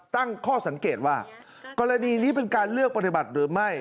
ตั้งข้อสังเกตว่ากรณีนี้เป็นการเลือกปฏิบัติหรือไม่